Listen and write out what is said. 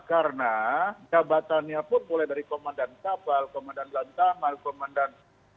karena jabatannya pun mulai dari komandan kapal komandan lantaman komandan